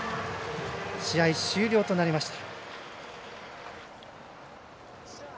試合終了となりました。